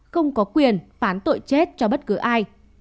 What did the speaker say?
không có quyền phán tội chết cho bất cứ ai